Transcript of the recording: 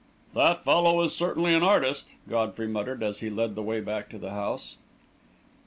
"That fellow is certainly an artist," Godfrey muttered, as he led the way back to the house.